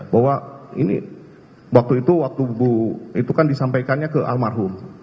bahwa ini waktu itu waktu bu itu kan disampaikannya ke almarhum